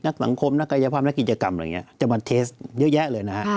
นักสังคมรัฐกายภาพแล้วกิจกรรมจะมาเล่นเหอะเยอะแยะเลยนะ